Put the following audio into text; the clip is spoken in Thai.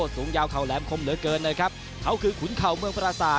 สูงยาวเข่าแหลมคมเหลือเกินนะครับเขาคือขุนเข่าเมืองปราศาส